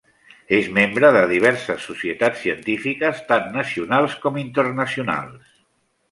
És membre de diverses societats científiques, tant nacionals com internacionals.